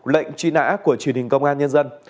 lệnh truy nã của truyền hình công an nhân dân